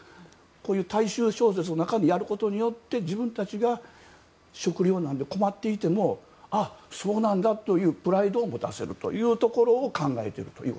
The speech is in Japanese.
大衆小説の中でやることによって自分たちが食糧難で困っていてもそうなんだというプライドを持たせるということを考えていくという。